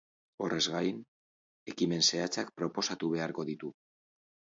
Horrez gain, ekimen zehatzak proposatu beharko ditu.